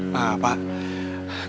nah pak kami mohon berhenti